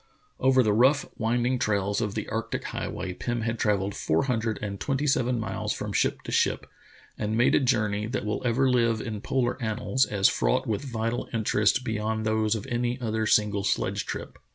Over the rough, winding trails of the arctic highway, Pirn had travelled four hundred and twenty seven miles from ship to ship, and made a journey that will ever live in polar annals as fraught with vital interests beyond those of any other single sledge trip.